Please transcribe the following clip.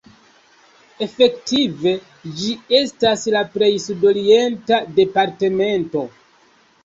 Efektive ĝi estas la plej sud-orienta departemento.